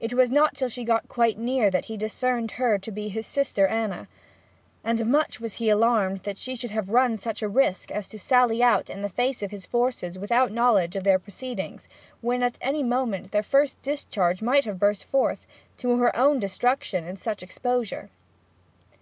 It was not till she got quite near that he discerned her to be his sister Anna; and much was he alarmed that she should have run such risk as to sally out in the face of his forces without knowledge of their proceedings, when at any moment their first discharge might have burst forth, to her own destruction in such exposure.